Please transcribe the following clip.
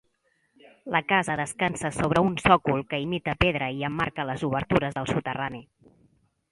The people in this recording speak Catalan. La casa descansa sobre un sòcol que imita pedra i emmarca les obertures del soterrani.